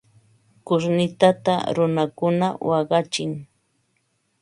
Kurnitata runakuna waqachin.